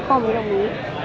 con mới đồng ý